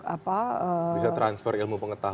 bisa transfer ilmu pengetahuan